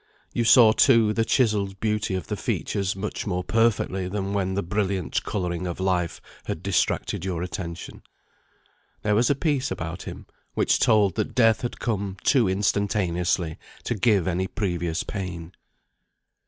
You saw, too, the chiselled beauty of the features much more perfectly than when the brilliant colouring of life had distracted your attention. There was a peace about him which told that death had come too instantaneously to give any previous pain.